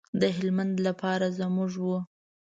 د هلمند لپاره زموږ و.